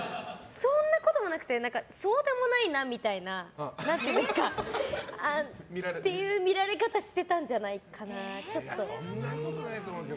そんなこともなくてそうでもないなみたいな。っていう見られ方してたんじゃないかなって。